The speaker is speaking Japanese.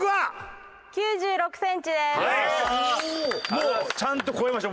もうちゃんと超えました。